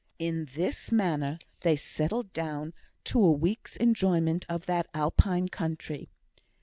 In this manner they settled down to a week's enjoyment of that Alpine country.